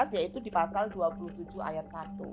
yaitu di pasal dua puluh tujuh ayat satu